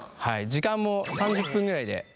時間も３０分ぐらいでできて。